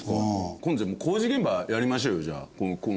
今度工事現場やりましょうよじゃあ番組で。